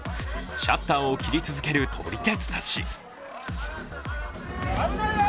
シャッターを切り続ける撮り鉄たち。